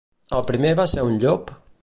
El primer va ser un llop?